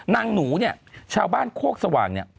นางหนูนี่ชาวบ้านโคกสว่าง